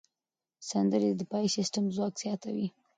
سندرې د دفاعي سیستم ځواک زیاتوي.